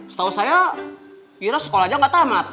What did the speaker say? setahu saya irah sekolahnya gak tamat